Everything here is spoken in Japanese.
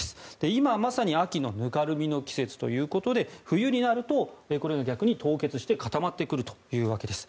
今まさに秋のぬかるみの季節ということで冬になると、逆に凍結して固まってくるというわけです。